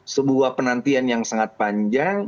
sebuah penantian yang sangat panjang